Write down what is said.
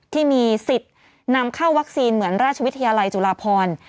ที่มีสิทธิ์นำเข้าวัคซีนเหมือนราชวิทยาลัยจุฬาพร